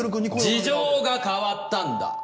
事情が変わったんだ！